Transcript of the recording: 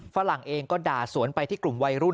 ฝรั่งเองก็ด่าสวนไปที่กลุ่มวัยรุ่น